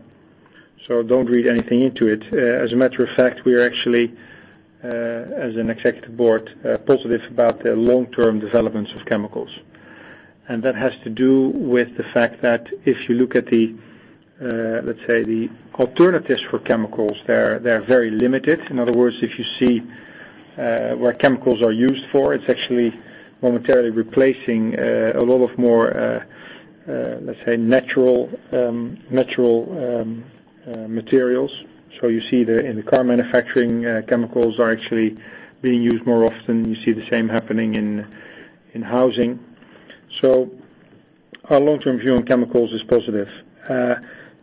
Don't read anything into it. As a matter of fact, we are actually, as an Executive Board, positive about the long-term developments of chemicals. That has to do with the fact that if you look at the, let's say, the alternatives for chemicals, they're very limited. In other words, if you see where chemicals are used for, it's actually momentarily replacing a lot of more, let's say, natural materials. You see in the car manufacturing, chemicals are actually being used more often. You see the same happening in housing. Our long-term view on chemicals is positive.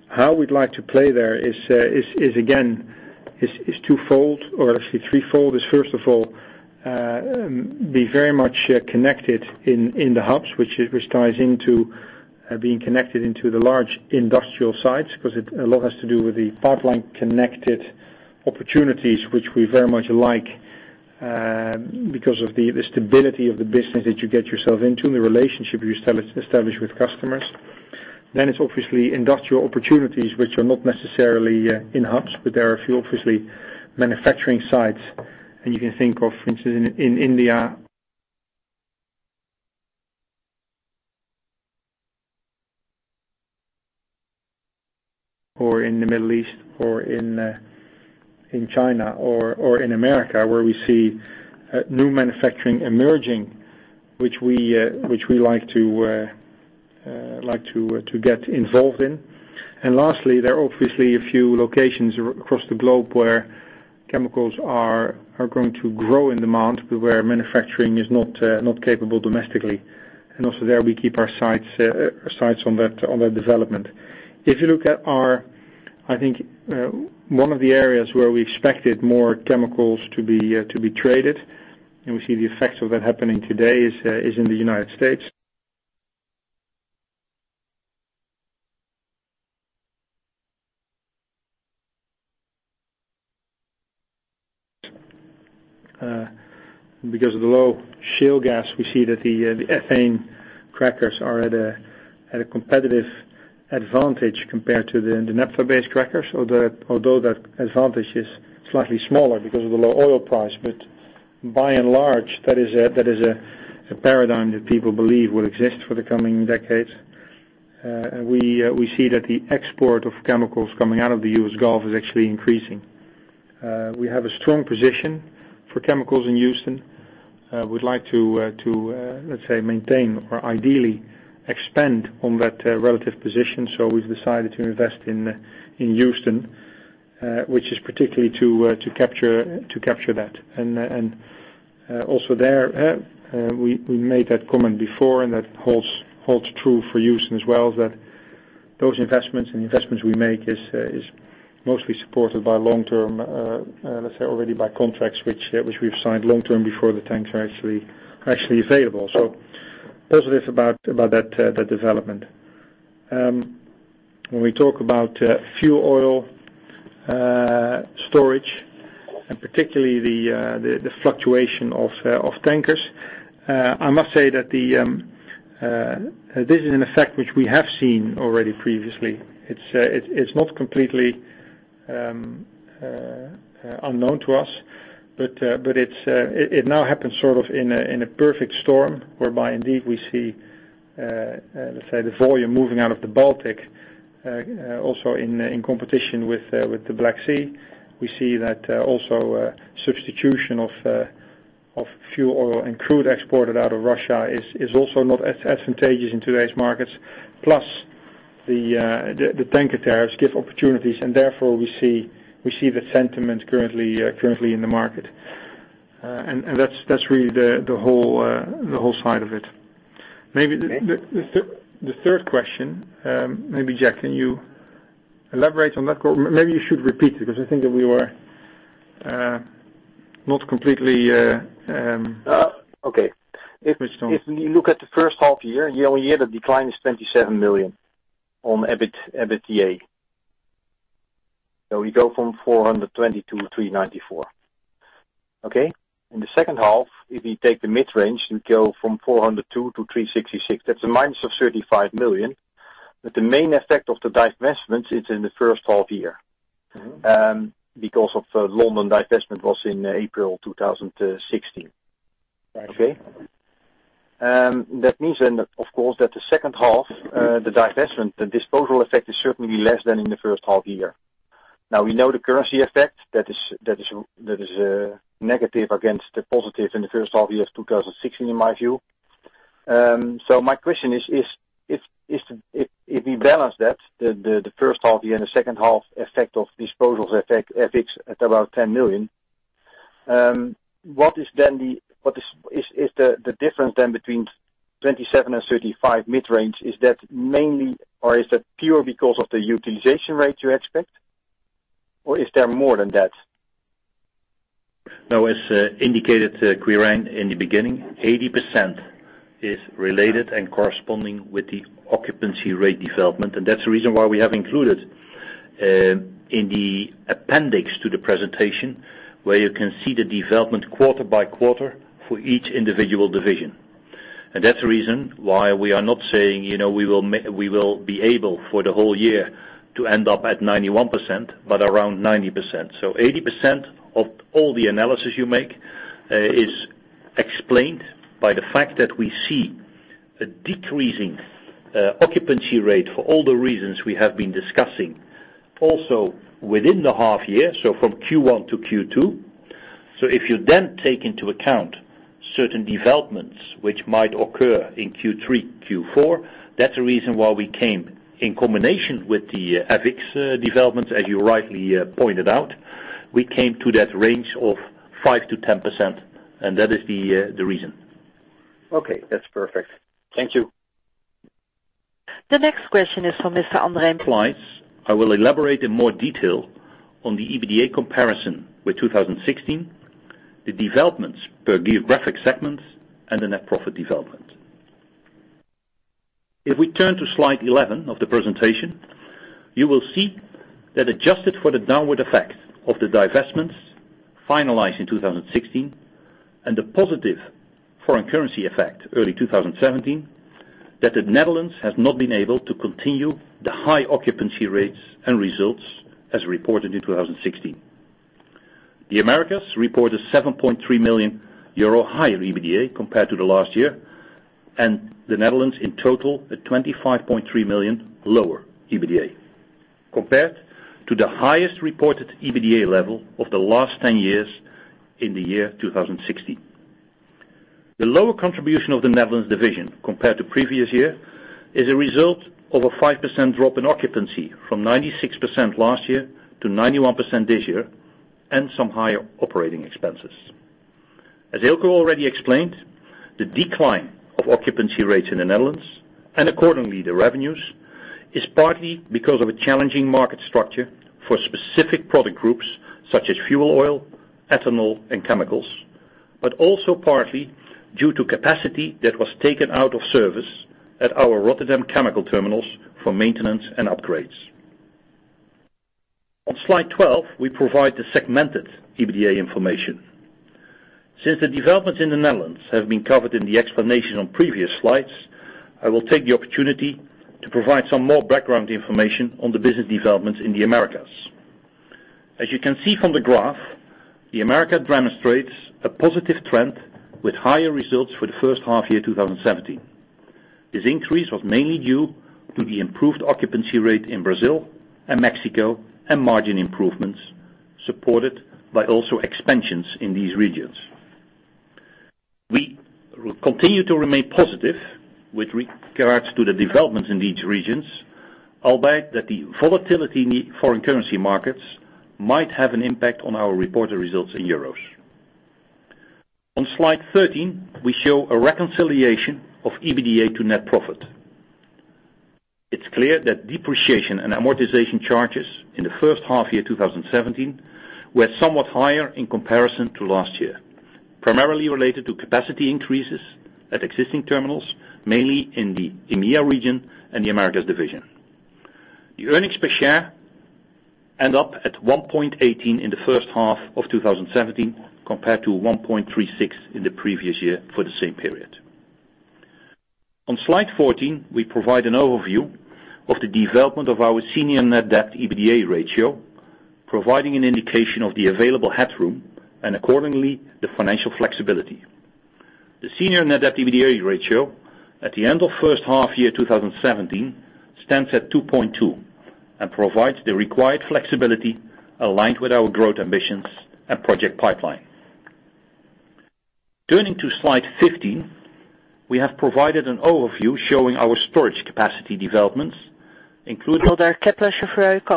How we'd like to play there is, again, is twofold or actually threefold. Is first of all, be very much connected in the hubs, which ties into being connected into the large industrial sites, because a lot has to do with the pipeline-connected opportunities, which we very much like because of the stability of the business that you get yourself into and the relationship you establish with customers. Then it's obviously industrial opportunities which are not necessarily in hubs, but there are a few obviously manufacturing sites. You can think of, for instance, in India or in the Middle East or in China or in America, where we see new manufacturing emerging, which we like to get involved in. Lastly, there are obviously a few locations across the globe where chemicals are going to grow in demand, but where manufacturing is not capable domestically. Also there, we keep our sights on that development. If you look at our, one of the areas where we expected more chemicals to be traded, and we see the effects of that happening today, is in the U.S. Because of the low shale gas, we see that the ethane crackers are at a competitive advantage compared to the naphtha-based crackers. Although that advantage is slightly smaller because of the low oil price. By and large, that is a paradigm that people believe will exist for the coming decades. We see that the export of chemicals coming out of the U.S. Gulf is actually increasing. We have a strong position for chemicals in Houston. We'd like to, let's say, maintain or ideally expand on that relative position. We've decided to invest in Houston, which is particularly to capture that. Also there, we made that comment before, and that holds true for Houston as well, that those investments and the investments we make is mostly supported by long-term, already by contracts which we've signed long-term before the tanks are actually available. Positive about that development. When we talk about fuel oil storage, and particularly the fluctuation of tankers, I must say that this is an effect which we have seen already previously. It's not completely unknown to us. It now happens sort of in a perfect storm, whereby indeed we see the volume moving out of the Baltic, also in competition with the Black Sea. We see that also substitution of fuel oil and crude exported out of Russia is also not as advantageous in today's markets. Plus, the tanker tariffs give opportunities, and therefore we see the sentiment currently in the market. That's really the whole side of it. Maybe the third question, maybe Jack, can you elaborate on that? Or maybe you should repeat it because I think that we were not completely. If you look at the first half-year, the decline is 27 million on EBITDA. We go from 420 million to 394 million. In the second half-year, if you take the mid-range, you go from 402 million to 366 million. That's a minus of 35 million. The main effect of the divestments, it's in the first half-year. Because of London divestment was in April 2016. Right. Okay. That means, of course, that the second half-year, the divestment, the disposal effect is certainly less than in the first half-year. Now we know the currency effect that is negative against the positive in the first half-year of 2016, in my view. My question is, if we balance that, the first half-year and the second half-year effect of disposals effects at about 10 million, is the difference then between 27 million and 35 million mid-range, is that mainly, or is that pure because of the utilization rate you expect, or is there more than that? No, as indicated, Quirijn, in the beginning, 80% is related and corresponding with the occupancy rate development. That's the reason why we have included in the appendix to the presentation, where you can see the development quarter by quarter for each individual division. That's the reason why we are not saying, we will be able for the whole year to end up at 91%, but around 90%. 80% of all the analysis you make is explained by the fact that we see a decreasing occupancy rate for all the reasons we have been discussing, also within the half year, so from Q1 to Q2. If you then take into account certain developments which might occur in Q3, Q4, that's the reason why we came in combination with the AVIX developments, as you rightly pointed out. We came to that range of 5%-10%, and that is the reason. That's perfect. Thank you. The next question is from Mr. Andre Mulder, go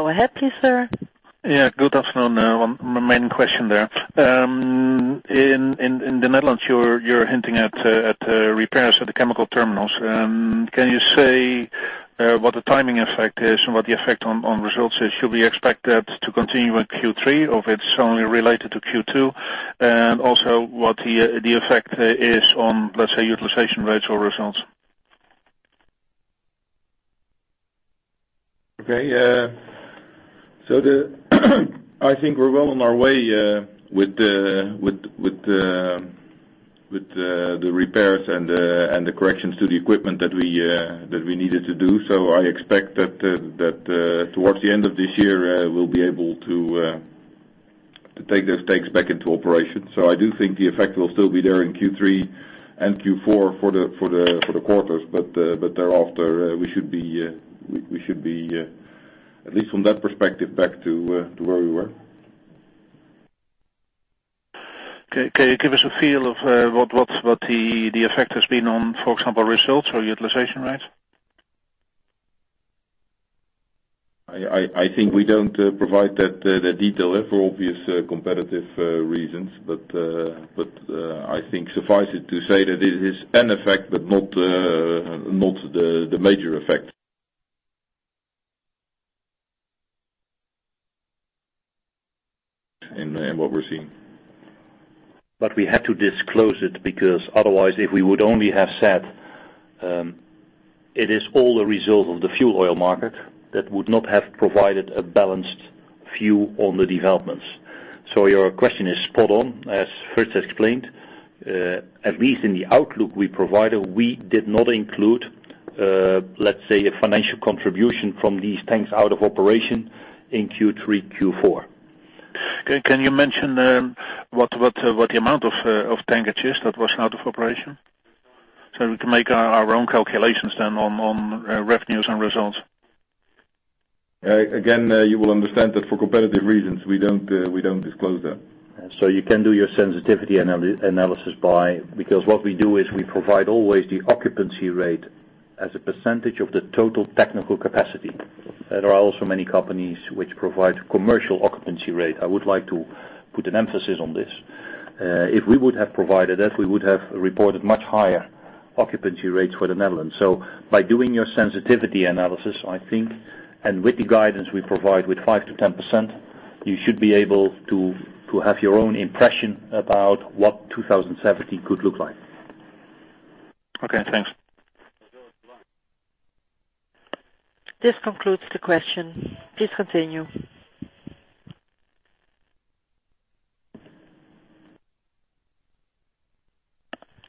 ahead please, sir. Good afternoon. One main question there. In the Netherlands, you're hinting at repairs at the chemical terminals. Can you say what the timing effect is and what the effect on results is? Should we expect that to continue in Q3, or if it's only related to Q2? Also what the effect is on, let's say, utilization rates or results? I think we're well on our way with the repairs and the corrections to the equipment that we needed to do. I expect that towards the end of this year, we'll be able to take those tanks back into operation. I do think the effect will still be there in Q3 and Q4 for the quarters, but thereafter, we should be, at least from that perspective, back to where we were. Can you give us a feel of what the effect has been on, for example, results or utilization rates? I think we don't provide that detail there for obvious competitive reasons. I think suffice it to say that it is an effect but not the major effect in what we're seeing. We had to disclose it because otherwise, if we would only have said, it is all a result of the fuel oil market, that would not have provided a balanced view on the developments. Your question is spot on. As Frits explained, at least in the outlook we provided, we did not include, let's say, a financial contribution from these tanks out of operation in Q3, Q4. Can you mention what the amount of tankage is that was out of operation? We can make our own calculations then on revenues and results. Again, you will understand that for competitive reasons, we don't disclose that. You can do your sensitivity analysis by, because what we do is we provide always the occupancy rate as a percentage of the total technical capacity. There are also many companies which provide commercial occupancy rate. I would like to put an emphasis on this. If we would have provided that, we would have reported much higher occupancy rates for the Netherlands. By doing your sensitivity analysis, I think, and with the guidance we provide with 5%-10%, you should be able to have your own impression about what 2017 could look like. Okay, thanks. This concludes the question. Please continue.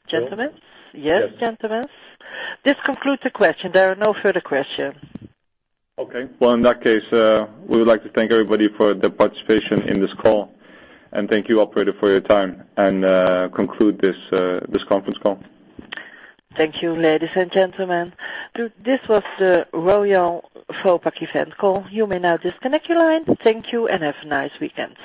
Gentlemen? Yes, gentlemen. This concludes the question. There are no further questions. Okay. Well, in that case, we would like to thank everybody for the participation in this call. Thank you operator for your time and conclude this conference call. Thank you, ladies and gentlemen. This was the Royal Vopak event call. You may now disconnect your line. Thank you and have a nice weekend.